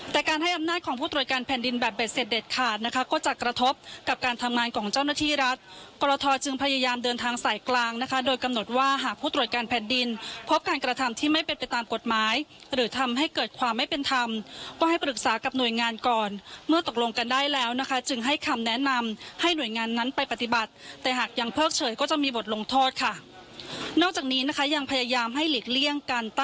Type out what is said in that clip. แต่การให้อำนาจของผู้ตรวจการแผ่นดินแบบเป็ดเสร็จเด็ดขาดก็จะกระทบกับการทำงานของเจ้าหน้าที่รัฐ